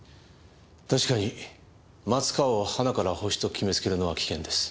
確かに松川をはなからホシと決め付けるのは危険です。